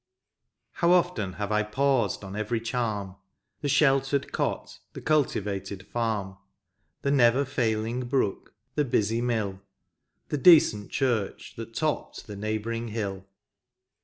' How often have I paused on every chann — The sheltered cot, the cultivated farm, Tke never failing brook, the busy mill. The decent church that topped the neighbouring hill."